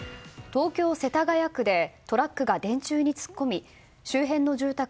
東京・世田谷区でトラックが電柱に突っ込み周辺の住宅